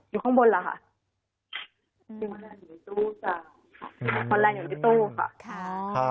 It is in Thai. อยู่ข้างบนล่ะค่ะอืมอยู่ในตู้ค่ะอืมคนแรงอยู่ในตู้ค่ะครับ